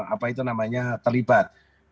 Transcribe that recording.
apa itu namanya terlibat